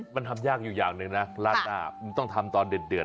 มันทำยากอยู่อย่างหนึ่งนะต้องทำตอนเด็ดเดือด